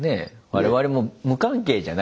我々も無関係じゃないからね